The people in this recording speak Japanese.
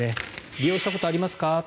利用したことがありますか？